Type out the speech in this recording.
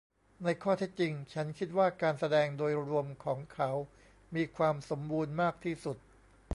ในข้อเท็จจริง ฉันคิดว่าการแสดงโดยรวมของเขามีความสมบูรณ์มากที่สุด